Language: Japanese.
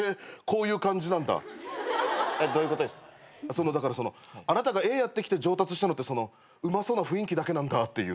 そのだからあなたが絵やってきて上達したのってそのうまそうな雰囲気だけなんだっていう。